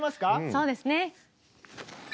そうですね。